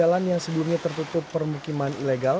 dan membuka jalan yang sebelumnya tertutup permukiman ilegal